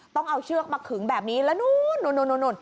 ต้องเอาเชือกมาขึงแบบนี้แล้วนู่น